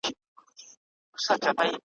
راته وایه ستا به څو وي اولادونه ,